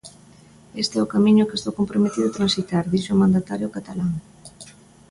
E este é o camiño que estou comprometido a transitar, dixo o mandatario catalán.